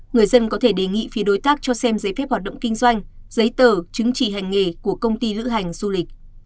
người dân có thể đề nghị phía đối tác cho xem giấy phép hoạt động kinh doanh giấy tờ chứng chỉ hành nghề của công ty lữ hành du lịch